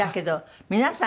皆さん